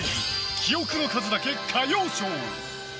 記憶の数だけ歌謡ショー。